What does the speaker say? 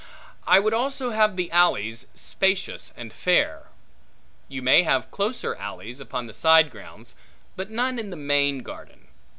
I would also have the alleys, spacious and fair. You may have closer alleys, upon the side grounds, but none in the main garden.